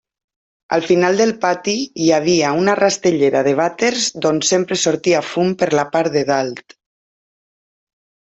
Al final del pati hi havia una rastellera de vàters, d'on sempre sortia fum per la part de dalt.